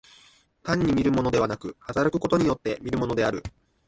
単に見るものでなく、働くことによって見るものである。